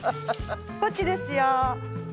こっちですよ。